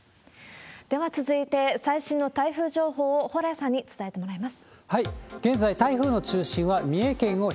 では続いて、最新の台風情報を蓬莱さんに伝えてもらいます。